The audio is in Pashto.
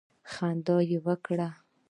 خندا یې وکړه.